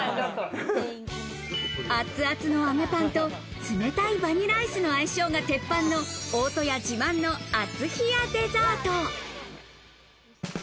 熱々の揚げパンと冷たいバニラアイスの相性が鉄板の大戸屋自慢の熱冷デザート。